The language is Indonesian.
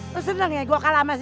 lu seneng ya gue kalah sama si mak